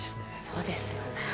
そうですよね。